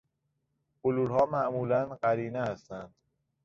بلورها معمولا قرینه هستند.